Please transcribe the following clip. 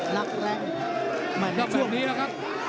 รักแรงแม่นในช่วงต้องแบบนี้แล้วครับ